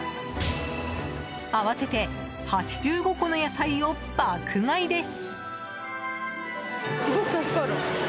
合わせて８５個の野菜を爆買いです。